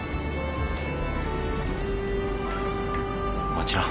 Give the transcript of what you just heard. もちろん。